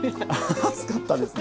暑かったですね。